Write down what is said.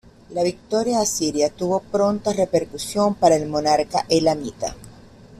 La victoria asiria tuvo pronta repercusión para el monarca elamita.